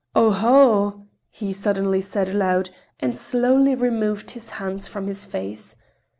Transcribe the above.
"Oho!" he suddenly said aloud, and slowly removed his hands from his face.